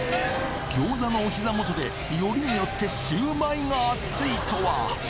餃子のお膝元でよりによってシウマイが熱いとは！